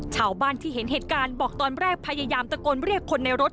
ชาวบ้านที่เห็นเหตุการณ์บอกตอนแรกพยายามตะโกนเรียกคนในรถ